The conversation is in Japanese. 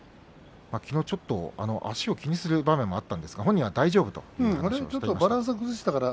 きのう、ちょっと足を気にする場面もあったんですが、本人は大丈夫という話をしていました。